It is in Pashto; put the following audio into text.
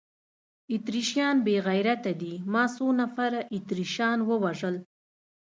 اتریشیان بې غیرته دي، ما څو نفره اتریشیان ووژل؟